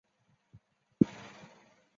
为会员。